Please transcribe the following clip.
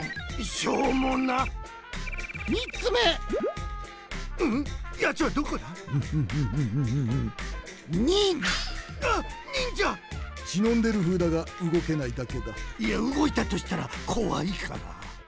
しのんでるふうだがうごけないだけだいやうごいたとしたらこわいから！